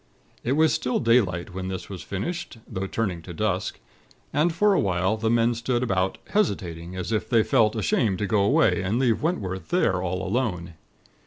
"It was still daylight when this was finished; though turning to dusk; and, for a while, the men stood about, hesitating, as if they felt ashamed to go away and leave Wentworth there all alone.